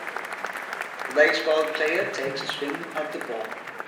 The baseball player takes a swing at the ball.